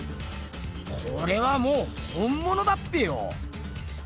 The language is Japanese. これはもう本ものだっぺよ！